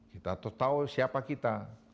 kita tuh tahu siapa kita